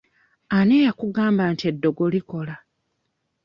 Ani eyakugamba nti eddogo likola?